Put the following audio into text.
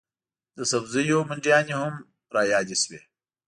د سبزیو منډیانې هم رایادې شوې.